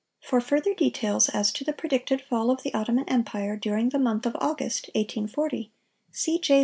—For further details as to the predicted fall of the Ottoman empire during the month of August, 1840, see J.